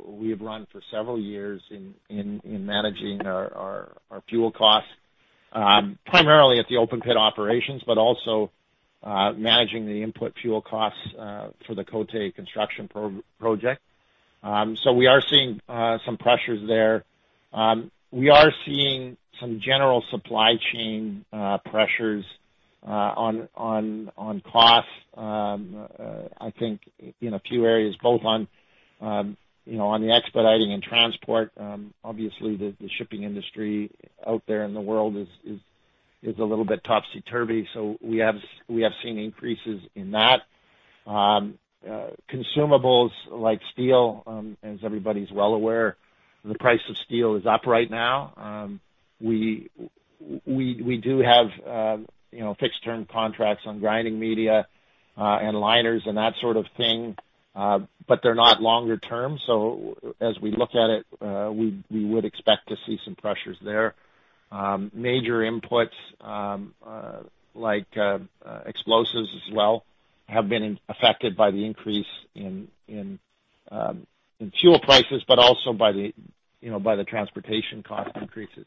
we have run for several years in managing our fuel costs, primarily at the open pit operations, but also managing the input fuel costs for the Côté construction project. We are seeing some pressures there. We are seeing some general supply chain pressures on costs I think in a few areas, both on the expediting and transport. Obviously, the shipping industry out there in the world is a little bit topsy-turvy, so we have seen increases in that. Consumables like steel, as everybody's well aware, the price of steel is up right now. We do have fixed-term contracts on grinding media, and liners and that sort of thing. They're not longer term, so as we look at it, we would expect to see some pressures there. Major inputs like explosives as well have been affected by the increase in fuel prices, but also by the transportation cost increases.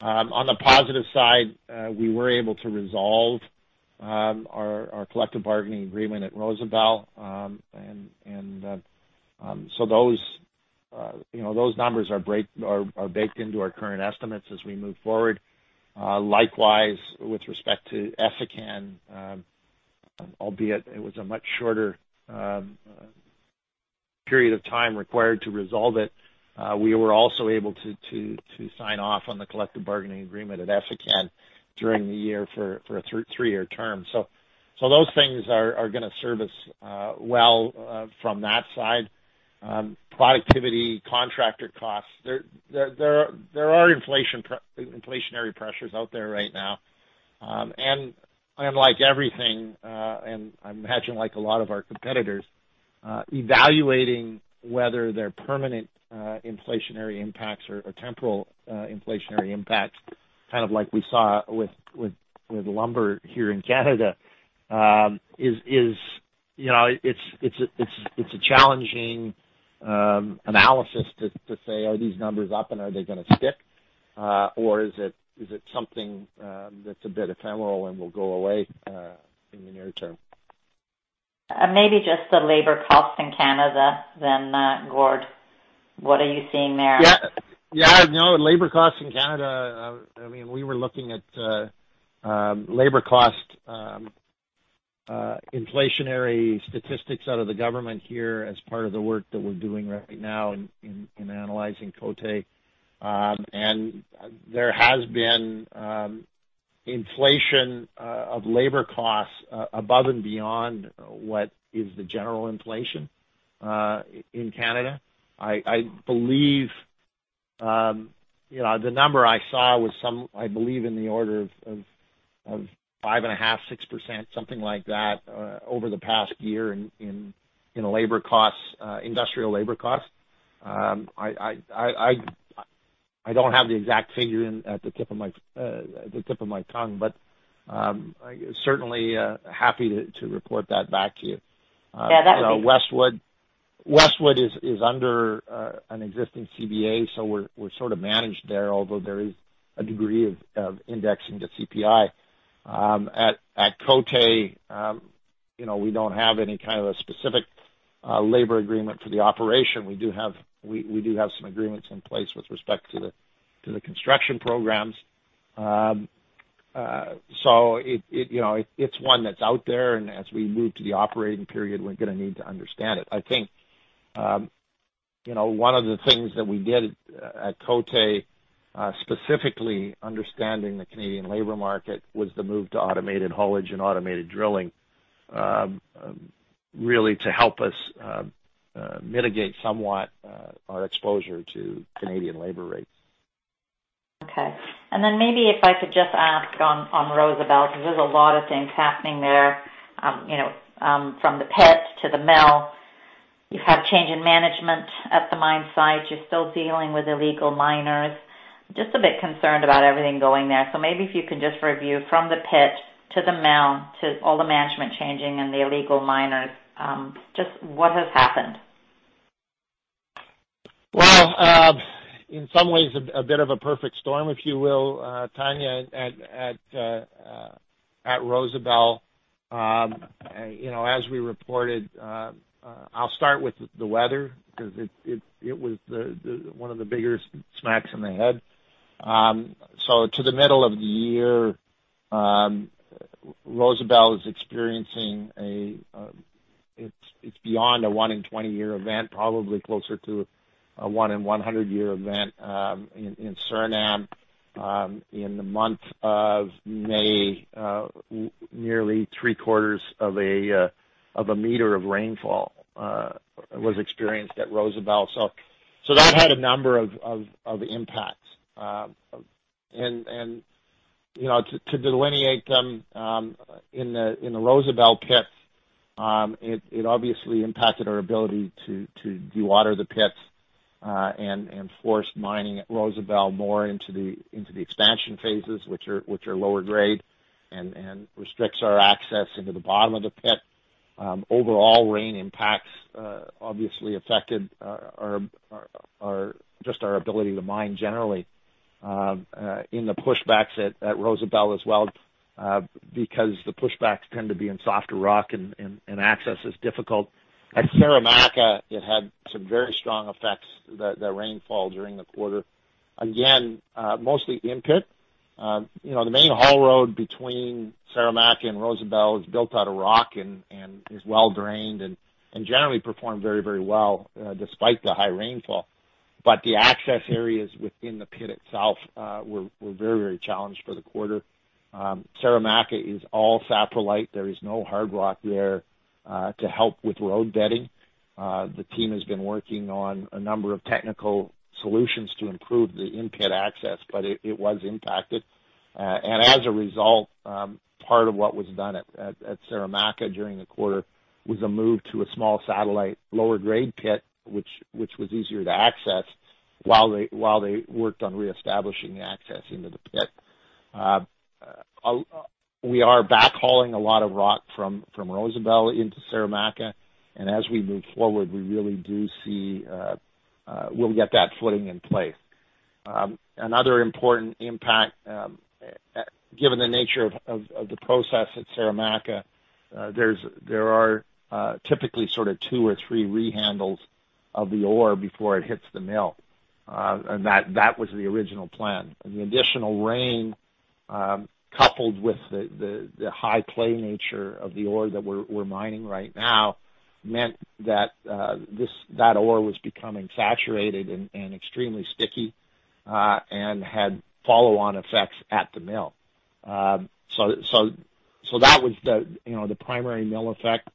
On the positive side, we were able to resolve our collective bargaining agreement at Rosebel. Those numbers are baked into our current estimates as we move forward. Likewise, with respect to Essakane, albeit it was a much shorter period of time required to resolve it, we were also able to sign off on the collective bargaining agreement at Essakane during the year for a three-year term. Those things are going to serve us well from that side. Productivity, contractor costs, there are inflationary pressures out there right now. Like everything, and I imagine like a lot of our competitors, evaluating whether they're permanent inflationary impacts or temporal inflationary impacts, kind of like we saw with lumber here in Canada, it's a challenging analysis to say, are these numbers up and are they going to stick? Or is it something that's a bit ephemeral and will go away in the near term? Maybe just the labor costs in Canada then, Gord. What are you seeing there? Yeah. Labor costs in Canada, we were looking at labor cost inflationary statistics out of the government here as part of the work that we're doing right now in analyzing Côté. There has been inflation of labor costs above and beyond what is the general inflation in Canada. I believe the number I saw was some, I believe in the order of 5.5%, 6%, something like that, over the past year in industrial labor costs. I don't have the exact figure at the tip of my tongue, but I'm certainly happy to report that back to you. Yeah. Westwood is under an existing CBA. We're sort of managed there, although there is a degree of indexing to CPI. At Côté, we don't have any kind of a specific labor agreement for the operation. We do have some agreements in place with respect to the construction programs. It's one that's out there, and as we move to the operating period, we're going to need to understand it. I think one of the things that we did at Côté, specifically understanding the Canadian labor market, was the move to automated haulage and automated drilling, really to help us mitigate somewhat our exposure to Canadian labor rates. Okay. Maybe if I could just ask on Rosebel, because there's a lot of things happening there, from the pit to the mill. You've had change in management at the mine site. You're still dealing with illegal miners. Just a bit concerned about everything going there. Maybe if you can just review from the pit to the mill, to all the management changing and the illegal miners, just what has happened. In some ways, a bit of a perfect storm, if you will, Tanya, at Rosebel. As we reported, I'll start with the weather because it was one of the biggest smacks in the head. To the middle of the year, it's beyond a one in 20 year event, probably closer to a one in 100 year event in Suriname. In the month of May, nearly three quarters of a meter of rainfall was experienced at Rosebel. That had a number of impacts. To delineate them, in the Rosebel pit, it obviously impacted our ability to dewater the pits, and forced mining at Rosebel more into the expansion phases, which are lower grade and restricts our access into the bottom of the pit. Overall rain impacts obviously affected just our ability to mine generally in the pushbacks at Rosebel as well, because the pushbacks tend to be in softer rock and access is difficult. At Saramacca, it had some very strong effects, the rainfall during the quarter. Again, mostly in-pit. The main haul road between Saramacca and Rosebel is built out of rock and is well-drained and generally performed very well despite the high rainfall. The access areas within the pit itself were very challenged for the quarter. Saramacca is all saprolite. There is no hard rock there to help with road bedding. The team has been working on a number of technical solutions to improve the in-pit access, but it was impacted. As a result, part of what was done at Saramacca during the quarter was a move to a small satellite lower grade pit, which was easier to access while they worked on reestablishing access into the pit. We are backhauling a lot of rock from Rosebel into Saramacca, and as we move forward, we really do see we'll get that footing in place. Another important impact, given the nature of the process at Saramacca, there are typically sort of two or three rehandles of the ore before it hits the mill. That was the original plan. The additional rain, coupled with the high clay nature of the ore that we're mining right now, meant that ore was becoming saturated and extremely sticky, and had follow-on effects at the mill. That was the primary mill effect.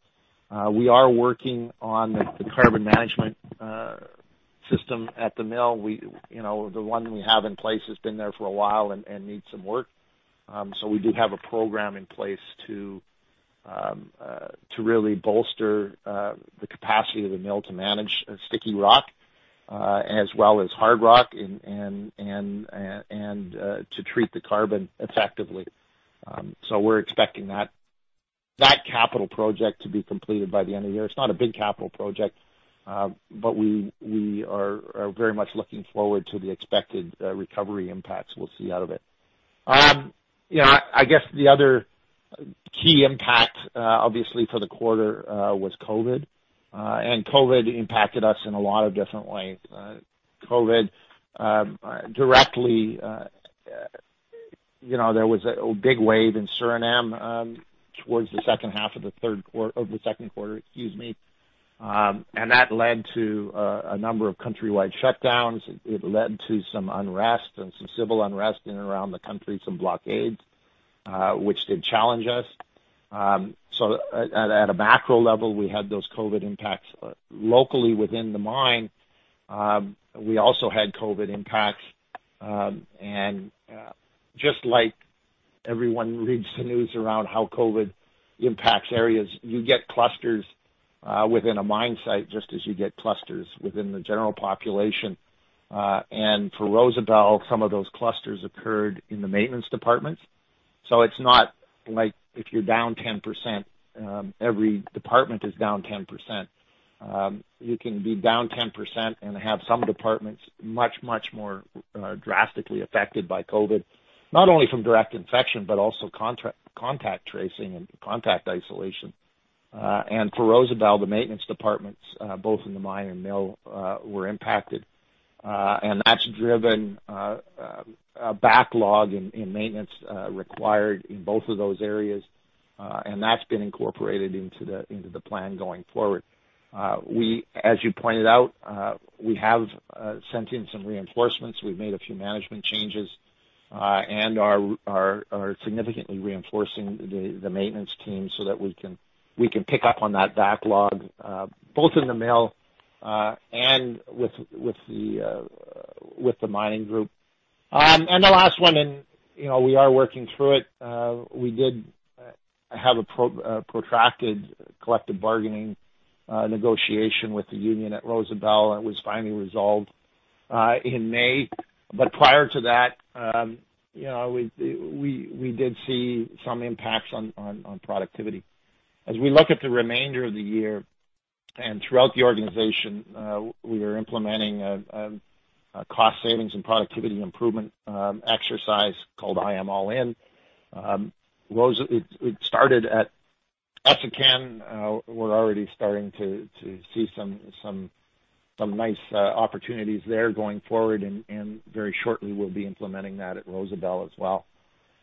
We are working on the carbon management system at the mill. The one we have in place has been there for a while and needs some work. We do have a program in place to really bolster the capacity of the mill to manage sticky rock, as well as hard rock, and to treat the carbon effectively. We're expecting that capital project to be completed by the end of the year. It's not a big capital project, but we are very much looking forward to the expected recovery impacts we'll see out of it. I guess the other key impact, obviously, for the quarter was COVID. COVID impacted us in a lot of different ways. COVID directly, there was a big wave in Suriname towards the second half of the third quarter, of the second quarter, excuse me. That led to a number of countrywide shutdowns. It led to some unrest and some civil unrest in and around the country, some blockades, which did challenge us. At a macro level, we had those COVID impacts locally within the mine. We also had COVID impacts, and just like everyone reads the news around how COVID impacts areas, you get clusters within a mine site, just as you get clusters within the general population. For Rosebel, some of those clusters occurred in the maintenance departments. It's not like if you're down 10%, every department is down 10%. You can be down 10% and have some departments much, much more drastically affected by COVID, not only from direct infection, but also contact tracing and contact isolation. For Rosebel, the maintenance departments, both in the mine and mill, were impacted. That's driven a backlog in maintenance required in both of those areas, and that's been incorporated into the plan going forward. As you pointed out, we have sent in some reinforcements. We've made a few management changes, and are significantly reinforcing the maintenance team so that we can pick up on that backlog, both in the mill and with the mining group. The last one, and we are working through it, we did have a protracted collective bargaining negotiation with the union at Rosebel, and it was finally resolved in May. Prior to that we did see some impacts on productivity. As we look at the remainder of the year and throughout the organization, we are implementing a cost savings and productivity improvement exercise called "IAM All In". It started at Essakane. We're already starting to see some nice opportunities there going forward, and very shortly, we'll be implementing that at Rosebel as well.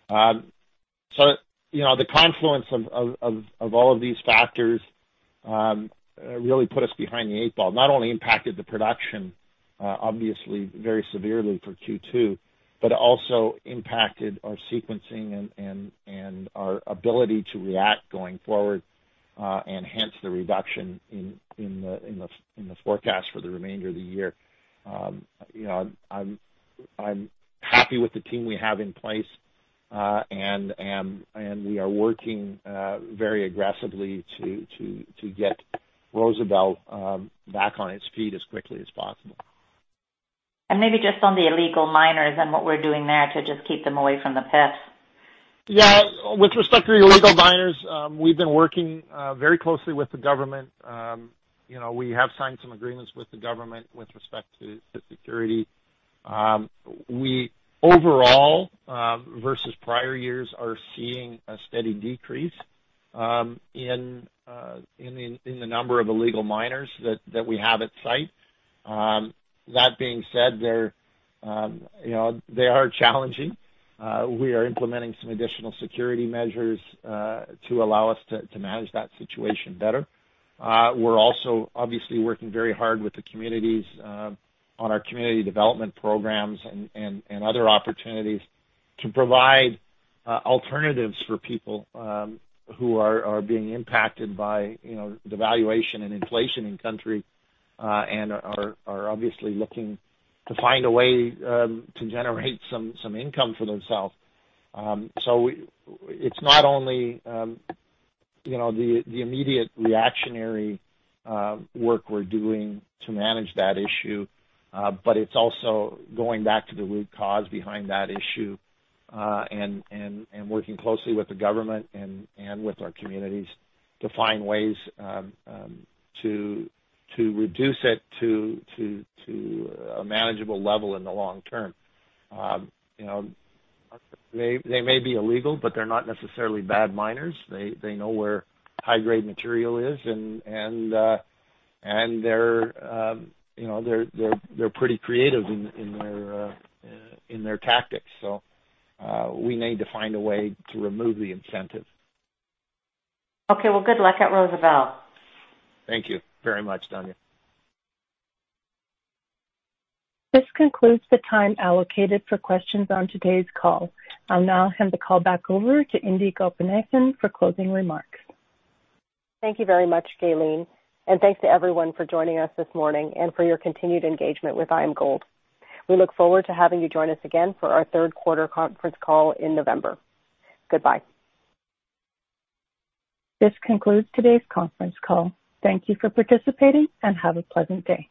The confluence of all of these factors really put us behind the eight ball, not only impacted the production, obviously very severely for Q2, but also impacted our sequencing and our ability to react going forward, and hence the reduction in the forecast for the remainder of the year. I'm happy with the team we have in place, we are working very aggressively to get Rosebel back on its feet as quickly as possible. Maybe just on the illegal miners and what we're doing there to just keep them away from the pits. Yeah. With respect to illegal miners, we've been working very closely with the government. We have signed some agreements with the government with respect to security. We, overall, versus prior years, are seeing a steady decrease in the number of illegal miners that we have at site. That being said, they are challenging. We are implementing some additional security measures to allow us to manage that situation better. We're also, obviously, working very hard with the communities on our community development programs and other opportunities to provide alternatives for people who are being impacted by devaluation and inflation in country, and are obviously looking to find a way to generate some income for themselves. It's not only the immediate reactionary work we're doing to manage that issue, but it's also going back to the root cause behind that issue, and working closely with the government and with our communities to find ways to reduce it to a manageable level in the long term. They may be illegal, but they're not necessarily bad miners. They know where high-grade material is, and they're pretty creative in their tactics. We need to find a way to remove the incentive. Okay. Well, good luck at Rosebel. Thank you very much, Tanya. This concludes the time allocated for questions on today's call. I'll now hand the call back over to Indi Gopinathan for closing remarks. Thank you very much, Gaylene, and thanks to everyone for joining us this morning and for your continued engagement with IAMGOLD. We look forward to having you join us again for our third quarter conference call in November. Goodbye. This concludes today's conference call. Thank you for participating, and have a pleasant day.